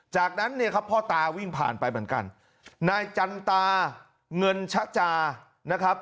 จากนั้นเนี่ยครับพ่อตาวิ่งผ่านไปเหมือนกันนายจันตาเงินชะจานะครับ